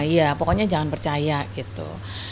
iya pokoknya jangan percaya gitu